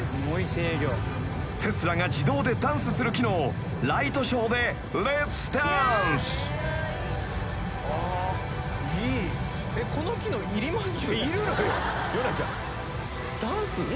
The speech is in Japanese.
［テスラが自動でダンスする機能をライトショーでレッツダンス］